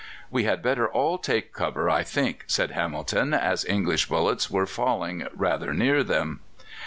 "We had better all take cover, I think," said Hamilton, as English bullets were falling rather near them.